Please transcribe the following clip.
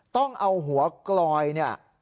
ต้องเอาหัวกลอยเนี่ย